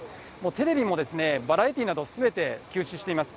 テレビもバラエティーなどすべて休止しています。